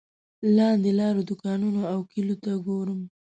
لاندې لارو دوکانونو او کلیو ته ګورم.